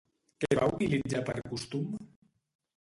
Què va utilitzar per costum?